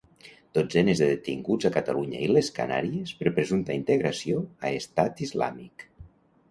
Dotzenes de detinguts a Catalunya i les Canàries per presumpta integració a Estat Islàmic.